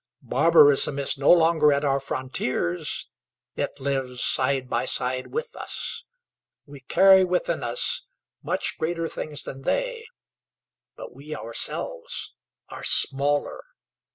Barbarism is no longer at our frontiers: it lives side by side with us. We carry within us much greater things than they, but we ourselves are smaller.